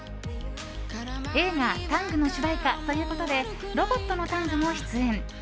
映画「ＴＡＮＧタング」の主題歌ということでロボットのタングも出演。